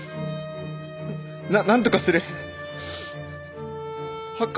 ななんとかする！